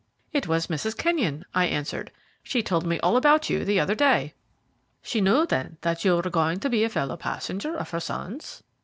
"It was Mrs. Kenyon," I answered. "She told me all about you the other day." "She knew, then, that you were going to be a fellow passenger of her son's?"